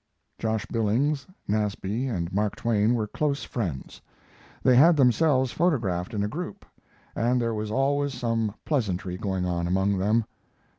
Josh Billings, Nasby, and Mark Twain were close friends. They had themselves photographed in a group, and there was always some pleasantry going on among them.